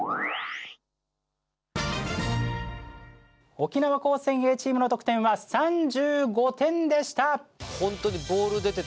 沖縄高専Ａチームの得点は３５点でした。